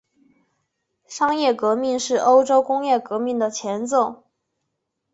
商业革命是欧洲工业革命的前奏。